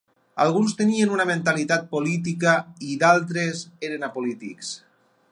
Alguns tenien una mentalitat política i d'altres eren apolítics.